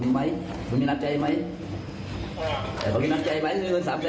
แล้วก็ถอนแจ้งความซะเถอะ